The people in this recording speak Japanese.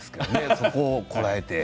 そこをこらえて。